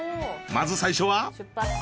まず最初は。